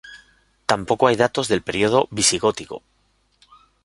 Tampoco hay datos del periodo visigótico.